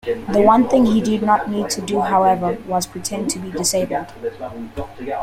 One thing he did not need to do, however, was pretend to be disabled.